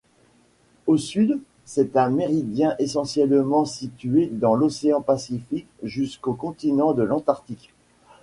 Au sud, c'est un méridien essentiellement situé dans l'Océan Pacifique, jusqu'au continent de l'Antarctique.